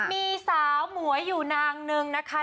มีสาวหมวยอยู่นางนึงนะคะ